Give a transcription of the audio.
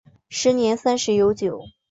时年三十有九。